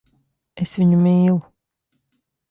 Es viņu mīlu.